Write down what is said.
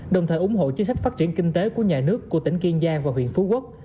đồng thời ủng hộ chính sách phát triển kinh tế của nhà nước của tỉnh kiên giang và huyện phú quốc